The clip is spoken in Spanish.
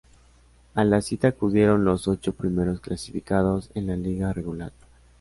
A la cita acudieron los ocho primeros clasificados en la liga regular.